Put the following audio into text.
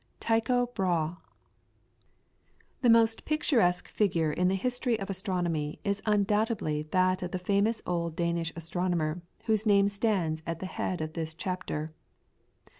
TYCHO BRAHE. The most picturesque figure in the history of astronomy is undoubtedly that of the famous old Danish astronomer whose name stands at the head of this chapter.